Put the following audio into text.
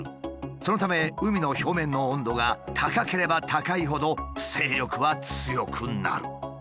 そのため海の表面の温度が高ければ高いほど勢力は強くなる。